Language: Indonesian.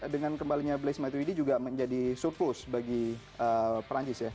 dengan kembalinya blaise matuidi juga menjadi surplus bagi perancis ya